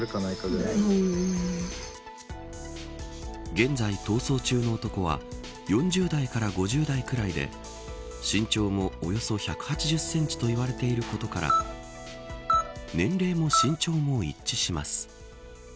現在逃走中の男は４０代から６０代くらいで身長もおよそ１８０センチと言われていることから年齢も身長も一致します。